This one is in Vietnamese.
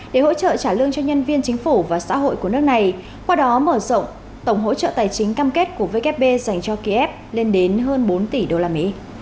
để hỗ trợ trả lương cho nhân viên chính phủ và xã hội của nước này qua đó mở rộng tổng hỗ trợ tài chính cam kết của vkp dành cho kiev lên đến hơn bốn tỷ usd